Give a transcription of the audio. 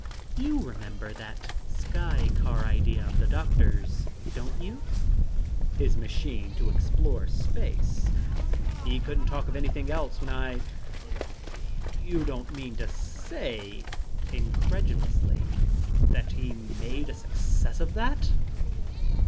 "You remember that sky car idea of the doctor's, don't you?" "His machine to explore space? He couldn't talk of anything else when I you don't mean to say" incredulously "that he made a success of that!"